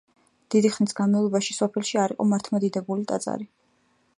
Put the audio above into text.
დიდი ხნის განმავლობაში სოფელში არ იყო მართლმადიდებლური ტაძარი.